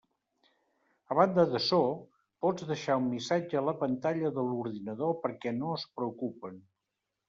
A banda d'açò, pots deixar un missatge a la pantalla de l'ordinador perquè no es preocupen.